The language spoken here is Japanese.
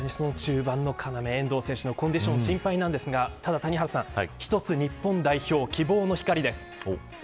中盤の要、遠藤選手のコンディション、心配なんですがただ一つ日本代表希望の光です。